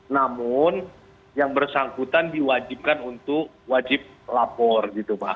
namun yang bersangkutan diwajibkan untuk wajib lapor gitu pak